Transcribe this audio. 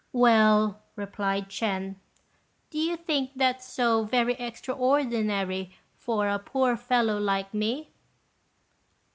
"Well," replied Ch'ên, "do you think that so very extraordinary for a poor fellow like me?"